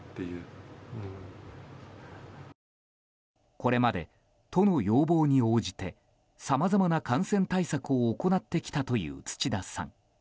これまで、都の要望に応じてさまざまな感染対策を行ってきたという土田さん。